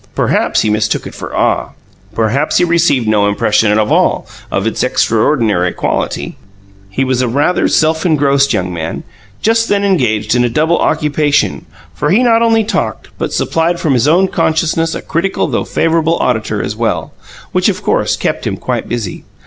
Perhaps he mistook it for awe; perhaps he received no impression at all of its extraordinary quality. He was a rather self engrossed young man, just then engaged in a double occupation, for he not only talked, but supplied from his own consciousness a critical though favourable auditor as well, which of course kept him quite busy.